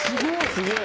すげえ！